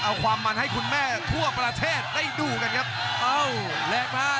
เอาความมันให้คุณแม่ทั่วประเทศได้ดูกันครับเอ้าเลขมา